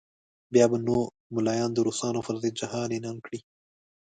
بیا به نو ملایان د روسانو پر ضد جهاد اعلان کړي.